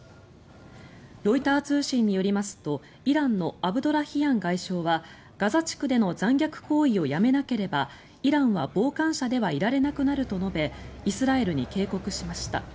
ロイター通信によりますとイランのアブドラヒアン外相はガザ地区での残虐行為をやめなければイランは傍観者ではいられなくなると述べイスラエルに警告しました。